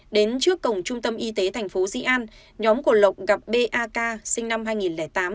đến trước cổng trung tâm y tế thành phố dĩ an nhóm của lộc gặp b a k sinh năm hai nghìn tám